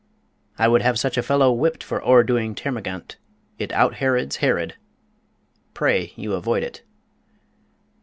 I would have such a fellow whipped for o'er doing Termagant; it out herods Herod. Pray you avoid it.